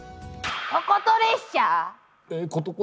ことこと列車。